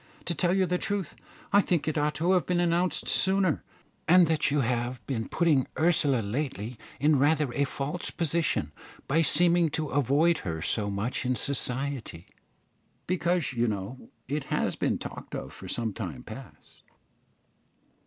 To tell you the truth, I think it ought to have been announced sooner, and that you have been putting Ursula lately in rather a false position, by seeming to avoid her so much in society, because, you know, it has been talked of for some time past."